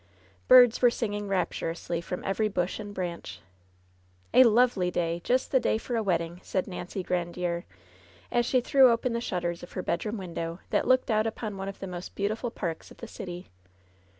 Birds were singing rapturously from every bush and branch. "A lovely day ! Just the day for a wedding I" said Nanny Grandiere, as she threw open the shutters of her bedroom window, that looked out upon one of the most beautiful parks of the city.